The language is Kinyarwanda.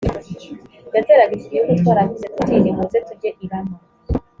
yateraga iki gihugu twaravuze tuti nimuze tujye i rama